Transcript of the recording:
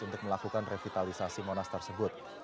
untuk melakukan revitalisasi monas tersebut